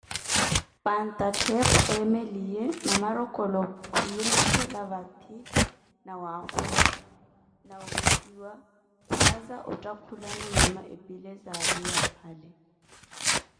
Panta Ttheepo eemeliye, Namarokolo khwirikhela vathi nawakuva na weziwa, khwaaza ottakhulana nyama epile zaariye apale.